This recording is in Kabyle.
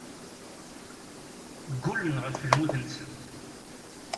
Ggullen ɣef lmut-nsen.